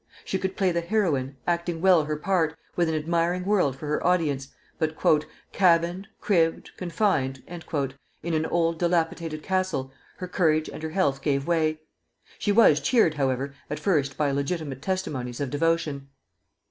She could play the heroine, acting well her part, with an admiring world for her audience; but "cabined, cribbed, confined" in an old, dilapidated castle, her courage and her health gave way. She was cheered, however, at first by Legitimist testimonies of devotion.